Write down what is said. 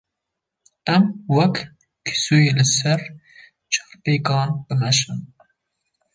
Em weke kîsoyê li ser çarpêkan, bimeşin.